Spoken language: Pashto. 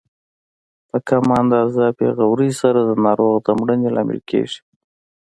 په کمه اندازه بې غورۍ سره د ناروغ د مړینې لامل کیږي.